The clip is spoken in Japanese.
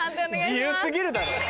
自由過ぎるだろ！